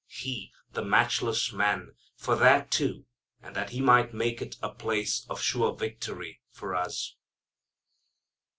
He, the matchless Man, for that too, and that He might make it a place of sure victory for us.